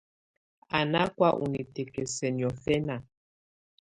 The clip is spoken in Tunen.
Á nà kɔ̀́́á ù nikǝ́kǝ́si niɔ̀fɛna.